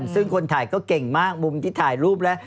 ซึ่งคนถ่ายก็เก่งมากมุมที่ถ่ายรูปแล้ว